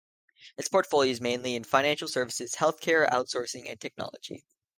Its portfolio is mainly in financial services, healthcare, outsourcing and technology.